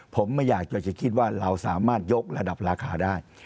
ผมไม่อยากจะคิดว่าเราสามารถยกระดับราคาได้